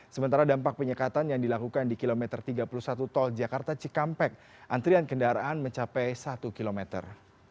sementara dampak penyekatan yang dilakukan di kilometer tiga puluh satu tol jakarta cikampek antrian kendaraan mencapai satu kilometer